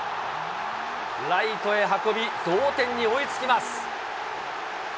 ライトへ運び、同点に追いつきます。